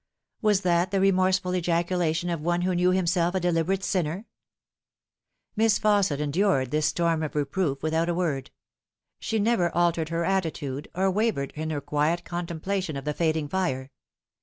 Was that the remorseful ejaculation of one who knew himself a deliberate sinner ? Miss Fausset endured this storm of reproof without a word. She never altered her attitude, or wavered in her quiet con templation of the fading fire.